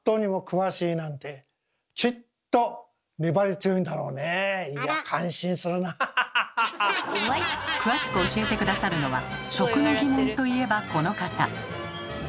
詳しく教えて下さるのは食の疑問といえばこの方！